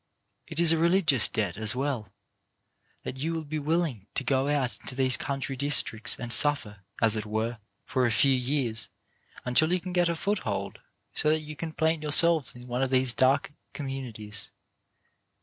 It is a religious debt as well, that you be willing to go out into these country districts and suffer, as it were, for a few years, until you can get a foothold, so that you can plant yourselves in one of these dark communities.